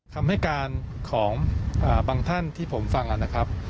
คำให้การของบางท่านที่ผมฟังนะครับ